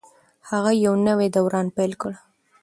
هغه یو نوی دوران پیل کړ.